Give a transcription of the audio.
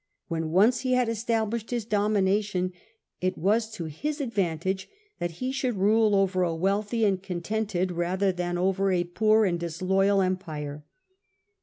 When once he had established his domination, it was to his advantage that he should rule over a wealthy and a contented rather than over a poor and disloyal em])ire.